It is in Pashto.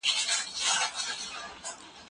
په لویه جرګه کي د لېري ولایتونو استازي څوک دي؟